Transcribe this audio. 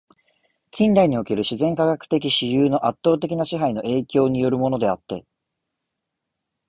近代における自然科学的思惟の圧倒的な支配の影響に依るものであって、